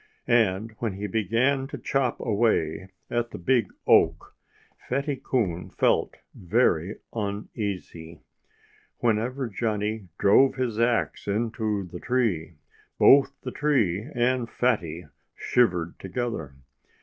And when he began to chop away at the big oak, Fatty Coon felt very uneasy. Whenever Johnnie drove his axe into the tree, both the tree and Fatty shivered together.